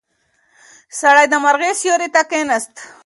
سړی د غرمې سیوري ته کیناست.